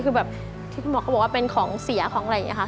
คือแบบที่คุณหมอเขาบอกว่าเป็นของเสียของอะไรอย่างนี้ค่ะ